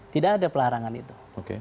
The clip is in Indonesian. tidak ada pelarangan itu